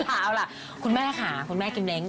เอาคุณแม่ขาคุณแม่กินเลง